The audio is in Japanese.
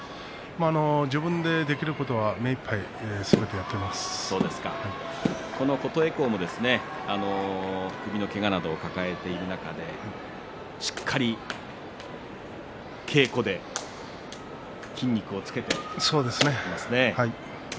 自分でできることは目いっぱい琴恵光も首のけがなどを抱えている中でしっかり稽古でそうですね。